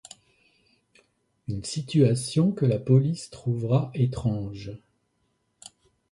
Une situation que la police trouvera étrange.